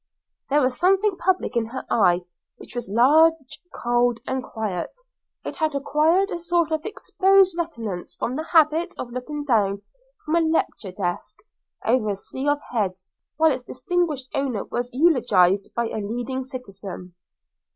There was something public in her eye, which was large, cold, and quiet; it had acquired a sort of exposed reticence from the habit of looking down from a lecture desk, over a sea of heads, while its distinguished owner was eulogised by a leading citizen.